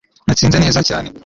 natsinze neza cyane